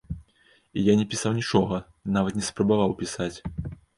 І я не пісаў нічога, нават не спрабаваў пісаць.